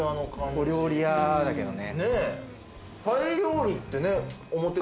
小料理屋だけどね。